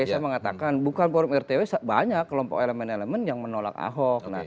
saya mengatakan bukan forum rtw banyak kelompok elemen elemen yang menolak ahok